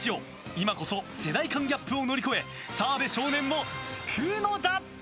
今こそ世代間ギャップを乗り越え澤部少年を救うのだ！